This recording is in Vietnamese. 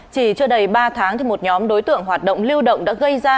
chỉ chưa đầy ba tháng một nhóm đối tượng hoạt động lưu động đã gây ra